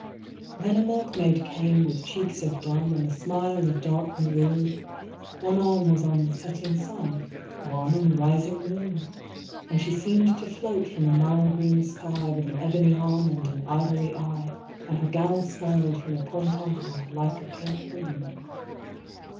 Then a milkmaid came with cheeks of dun And a smile of dark maroon, One arm was on the setting sun, One on the rising moon. And she seemed to float from a Nile green sky, With an ebony arm and an ivory eye, And her gown swelled from a point on high, Like a pink balloon.